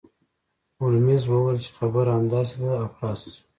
هولمز وویل چې خبره همداسې ده او خلاصه شوه